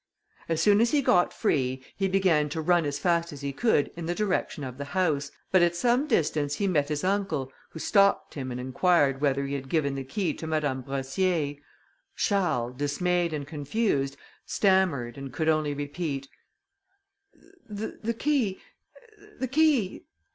As soon as he got free, he began to run as fast as he could in the direction of the house, but at some distance he met his uncle, who stopped him and inquired whether he had given the key to Madame Brossier. Charles, dismayed and confused, stammered, and could only repeat: "The key, the key